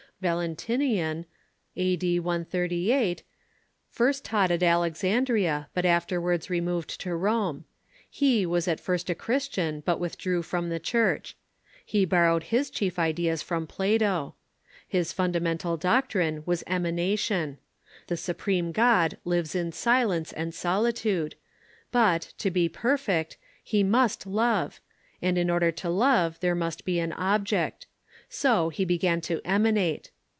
Valentinian (a,d. 138) first taught in Al exandria, but afterwards removed to Rome. He was at first a Christian, but withdrew from the Church. He borrowed his cliief ideas from Plato. His fundamental doctrine was ema nation. The supreme God lives in silence and solitude. But, to be perfect, he must love, and in order to love there must be an object. So he began to emanate.